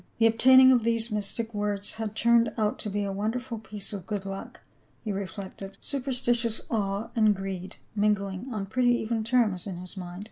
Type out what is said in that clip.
The obtaining of these mystic words had turned out to be a wonderful piece of good luck, he reflected, superstitious awe and greed mingling on pretty even terms in his mind.